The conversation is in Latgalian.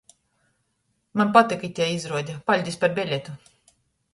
Maņ patyka itei izruode, paļdis par beletu!